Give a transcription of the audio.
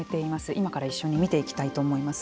今から一緒に見ていきたいと思います。